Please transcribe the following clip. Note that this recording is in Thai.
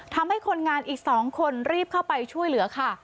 ทำให้คนงานอีก๒คนรีบเข้าไปช่วยเหลือค่ะ